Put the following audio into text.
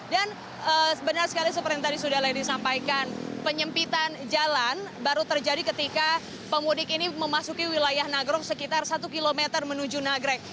dan benar sekali seperti yang tadi sudah lady sampaikan penyempitan jalan baru terjadi ketika pemudik ini memasuki wilayah nagrog sekitar satu km menuju nagrek